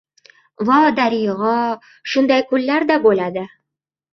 Vo darig‘o, shunday kunlar-da bo‘ladi!